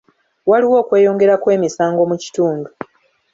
Waliwo okweyongera kw'emisango mu kitundu.